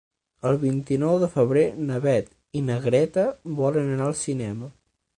El vint-i-nou de febrer na Beth i na Greta volen anar al cinema.